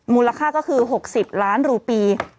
มูลค่าก็คือ๖๐ล้านรูปี